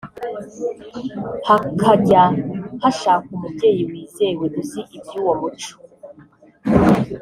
hakajya hashakwa umubyeyi wizewe uzi iby’uwo muco